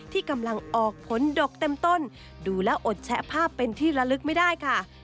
ที่กำลังออกผลดกเต็มต้นดูแล้วอดแชะภาพเป็นที่ละลึกไม่ได้ค่ะ